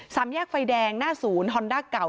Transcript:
แยกไฟแดงหน้าศูนย์ฮอนด้าเก่า